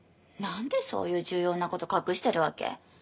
なんでそういう重要なこと隠してるわけ？